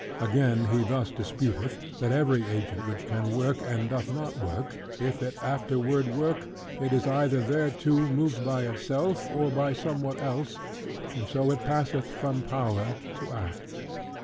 Again he thus disputeth, that every agent which can work, and doth not work, if it afterward work, it is either thereto moved by itself, or by somewhat else: and so it passeth from power to act.